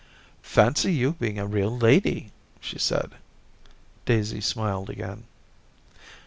* Fancy you being a real lady !' she said. Daisy smiled again.